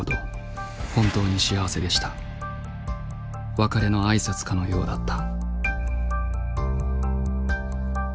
別れの挨拶かのようだった。